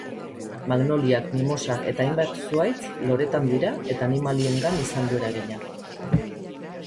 Magnoliak, mimosak eta hainbat zuhaitz loretan dira eta animaliengan izan du eragina.